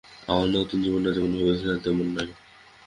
আমার নতুন জীবনটা যেমন ভেবেছিলাম, তেমন নয়।